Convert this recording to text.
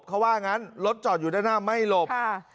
เขาว่างั้นรถจอดอยู่ด้านหน้าไม่หลบ